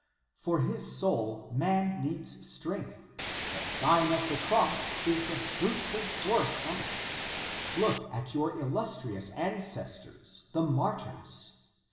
141 For his soul, man needs strength: the Sign of the Cross is the fruitful source of it. Look at your illustrious ancestors, the martyrs.